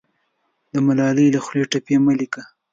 د ملالۍ له خولې ټپې مه لیکه